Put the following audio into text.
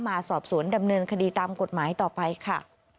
มาสอบสวนดำเนินคดีตามกฎหมายต่อไปค่ะ